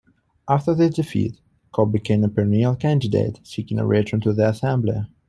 After this defeat, Copp became a perennial candidate seeking a return to the assembly.